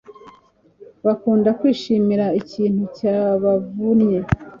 bakunda kwishimira ikintu cyabavunnye